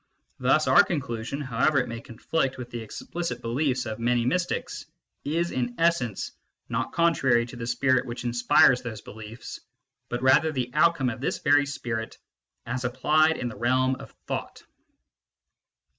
Thus our conclusion, however it may conflict with the explicit beliefs of many mystics, is, in essence, not contrary to the spirit which inspires those beliefs, but rather the outcome of this very spirit as applied in the realm of thought.